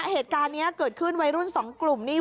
เหตุการณ์นี้เกิดขึ้นวัยรุ่น๒กลุ่มนี่